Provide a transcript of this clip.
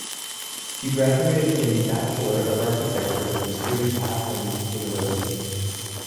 She graduated in Bachelor of Architecture from Sri Pathum University.